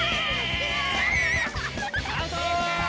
アウト！